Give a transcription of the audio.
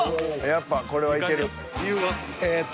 やっぱこれはいける。